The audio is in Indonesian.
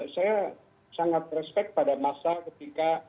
saya sangat respect pada masa ketika